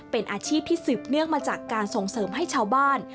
เป็นอาชีพที่สืบเนื่องมาจากการส่งเสริมให้ชาวบ้าน